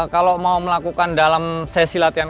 kalau mau melakukan dalam sesi latihan